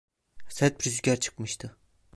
Sert bir rüzgar çıkmıştı.